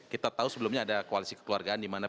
kita tahu sebelumnya ada koalisi kekeluargaan di mana